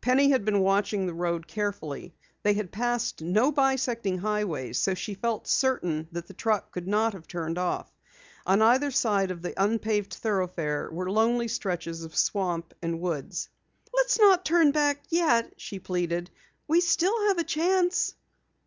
Penny had been watching the road carefully. They had passed no bisecting highways, so she felt certain that the truck could not have turned off. On either side of the unpaved thoroughfare were lonely stretches of swamp and woods. "Let's not turn back yet," she pleaded. "We still have a chance."